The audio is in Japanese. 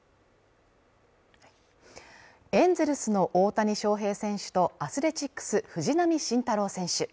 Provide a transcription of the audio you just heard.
エンゼルスの大谷翔平選手とアスレチックス藤浪晋太郎選手。